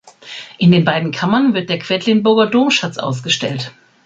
In den beiden Kammern wird der Quedlinburger Domschatz ausgestellt.